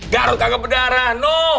garot kagak berdarah no